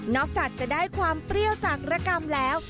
จากจะได้ความเปรี้ยวจากระกำแล้ว